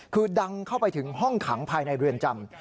คือดังเข้าไปถึงห้องขังภายในเรือนจำ